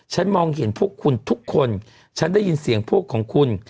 ฉันมองเห็นพวกคุณทุกคนฉันได้ยินเสียงพวกของคุณ